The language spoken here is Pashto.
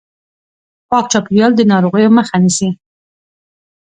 پاک چاپیریال د ناروغیو مخه نیسي.